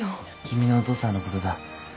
君のお父さんのことだ。